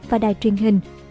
và đài truyền hình